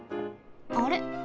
あれ？